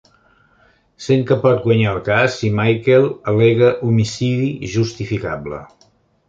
Sent que pot guanyar el cas si Michael al·lega homicidi justificable.